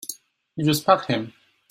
You just pat him.